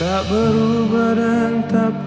jadi aku ngerepotin kamu